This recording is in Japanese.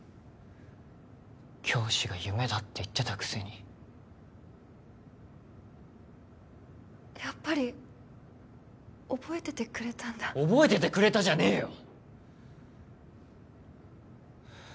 教師が夢だって言ってたくせにやっぱり覚えててくれたんだ覚えててくれたじゃねえよ！